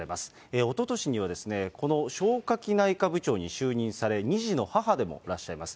おととしにはこの消化器内科部長に就任され、２児の母でもいらっしゃいます。